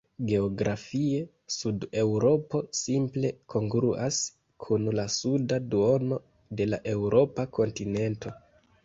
Geografie, Sud-Eŭropo simple kongruas kun la suda duono de la eŭropa kontinento.